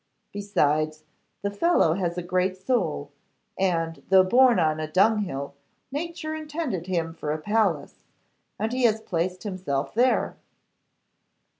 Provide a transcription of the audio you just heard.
Besides, the fellow has a great soul; and, though born on a dung hill, nature intended him for a palace, and he has placed himself there.